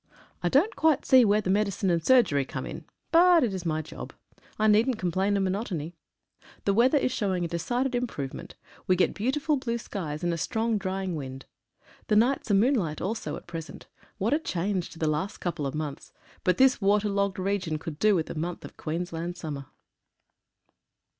I don't quite see where the medi cine and surgery come in,, but it is my job. I needn't complain of monotony. The weather is showing a de cided improvement. We get beautiful blue skies, and a strong drying wind. The nights are moonlight also at present. What a change to the last couple of months, but this water logged region could do with a month of Queensland summer.